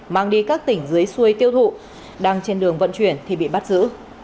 mang đi các tỉnh dưới xuôi tiêu thụ đang trên đường vận chuyển thì bị bắt giữ